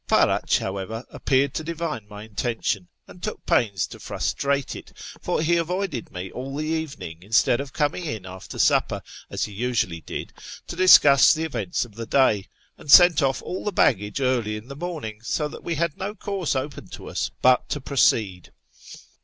Farach, however, appeared to divine my intention and took pains to frustrate it, for he avoided me all the evening, instead of coming in after supper, as he usually did, to discuss the events of the day, and sent off all the baggage early in the morning, so that we had no course open to us but to proceed.